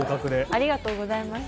ありがとうございます。